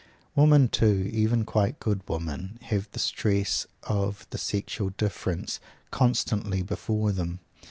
Women, too, even quite good women, have the stress of the sexual difference constantly before them.